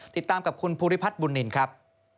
ติดตามกับคุณภูริพัฒน์บุญนินครับ